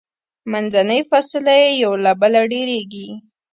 منځنۍ فاصله یې یو له بله ډیریږي.